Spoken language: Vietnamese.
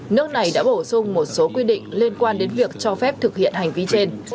nước này đã bổ sung một số quy định liên quan đến việc cho phép thực hiện hành vi trên